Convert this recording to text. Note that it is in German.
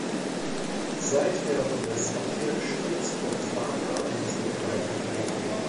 Seither wurde das Handwerk stets vom Vater an den Sohn weitergegeben.